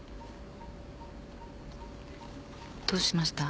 どうしました？